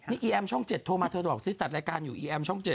นี่อีแอมช่อง๗โทรมาเธอบอกซิตัดรายการอยู่อีแอมช่อง๗